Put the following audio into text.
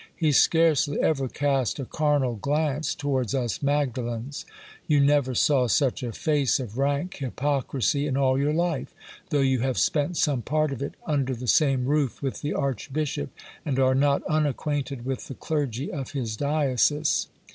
He scarcely ever cast a carnal glance towards us Magdalens. You never saw such a face of rank hypocrisy in all your life, though you have spent some part of it under the same roof with the archbishop, and are not unacquainted with the clergy of his diocese.